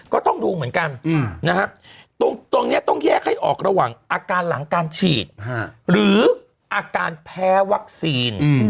ก็ต้องดูเหมือนกันนะครับตรงนี้ต้องแยกให้ออกระหว่างอาการหลังการฉีดหรืออาการแพ้วัคซีน